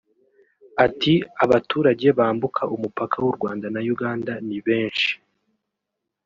Ati “Abaturage bambuka umupaka w’u Rwanda na Uganda ni benshi